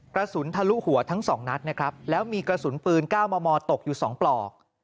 กระสุนทะลุหัวทั้งสองนัดนะครับแล้วมีกระสุนปืน๙มมตกอยู่๒ปลอก